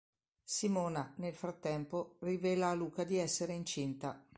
Simona, nel frattempo, rivela a Luca di essere incinta.